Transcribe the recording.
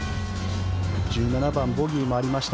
１７番ボギーもありました